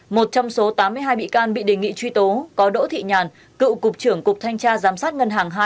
một trong số tám mươi hai bị can bị đề nghị truy tố có đỗ thị nhàn cựu cục trưởng cục thanh tra giám sát ngân hàng hai